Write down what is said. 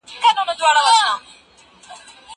زه مخکي انځورونه رسم کړي وو؟!